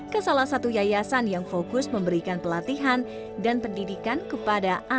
ke salah satu yayasan yang fokus memberikan pelatihan dan pendidikan kepada anak anak